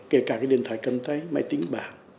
kể cả cái điện thoại cầm tay máy tính bảng